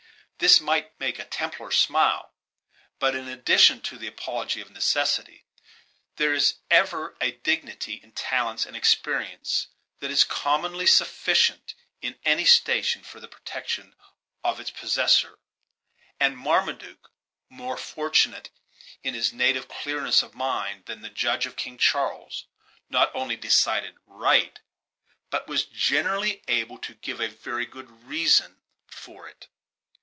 This might make a Templar smile; but in addition to the apology of necessity, there is ever a dignity in talents and experience that is commonly sufficient, in any station, for the protection of its possessor; and Marmaduke, more fortunate in his native clearness of mind than the judge of King Charles, not only decided right, but was generally able to give a very good reason for it.